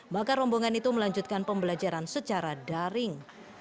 maka rombongan itu melanjutkan pembelajaran secara daring